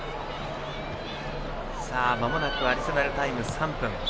まもなくアディショナルタイム３分。